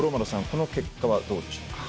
この結果はどうでしょうか？